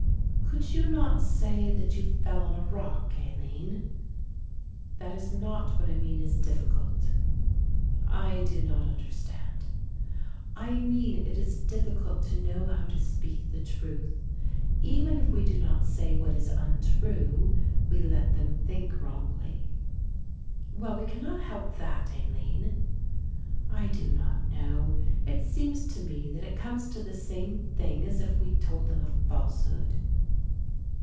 "Could you not say that you fell on a rock, Aline?" "That is not what I mean is difficult." "I do not understand." "I mean it is difficult to know how to speak the truth. Even if we do not say what is untrue we let them think wrongly." "Well, we cannot help that, Aline." "I do not know, it seems to me that it comes to the same thing as if we told them a falsehood."